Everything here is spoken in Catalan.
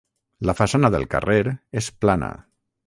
La façana del carrer és plana.